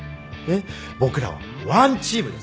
僕らはワンチームです。